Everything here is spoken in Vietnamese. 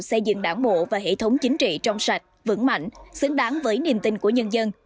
xây dựng đảng bộ và hệ thống chính trị trong sạch vững mạnh xứng đáng với niềm tin của nhân dân